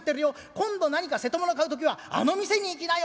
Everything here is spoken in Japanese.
今度何か瀬戸物買う時はあの店に行きなよ』